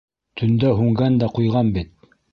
— Төндә һүнгән дә ҡуйған бит.